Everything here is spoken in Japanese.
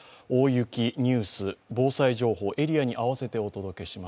大雪、ニュース、防災情報エリアの合わせてお届けします。